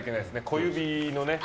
小指のね。